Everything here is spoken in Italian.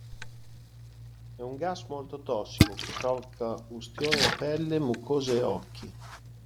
È un gas molto tossico, che provoca ustioni a pelle, mucose e occhi.